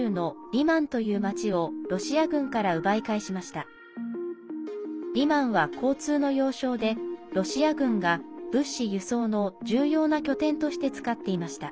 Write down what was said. リマンは交通の要衝でロシア軍が物資輸送の重要な拠点として使っていました。